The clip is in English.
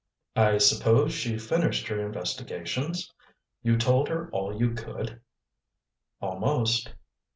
"I suppose she finished her investigations? You told her all you could?" "Almost."